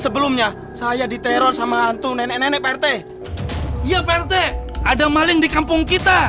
sebelumnya saya diteror sama hantu nenek nenek pak rt iya pak rt ada maling di kampung kita